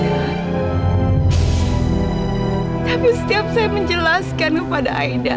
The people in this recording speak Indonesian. tapi setiap saya menjelaskan kepada aida